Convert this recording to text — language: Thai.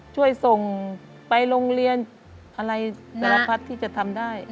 ช่วยส่งไปโรงเรียนอะไรสารพัดที่จะทำได้